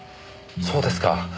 そうですか。